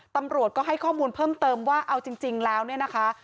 ตำรวจก็ให้ข้อมูลเพิ่มเติมว่าเอาจริงแล้วเนี่ยนะคะ